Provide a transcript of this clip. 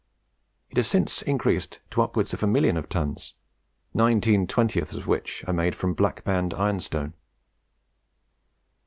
It has since increased to upwards of a million of tons, nineteen twentieths of which are made from Black Band ironstone.